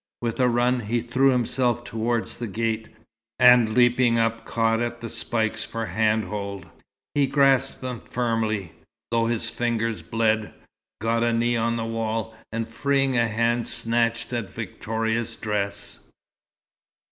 With a run, he threw himself towards the gate, and leaping up caught at the spikes for handhold. He grasped them firmly, though his fingers bled, got a knee on the wall, and freeing a hand snatched at Victoria's dress.